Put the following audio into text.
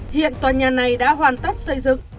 hiện tòa nhà này đã hoàn tất xây dựng